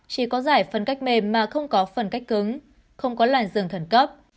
chỉ có giải phân cách mềm mà không có phân cách cứng không có làn dường thần cấp